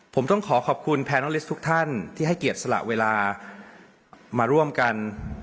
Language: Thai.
ผมต้องขอขอบคุณแพรน้องลิสทุกท่านที่ให้เกียรติสละเวลามาร่วมกัน